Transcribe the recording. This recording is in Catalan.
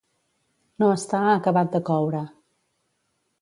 No estar acabat de coure.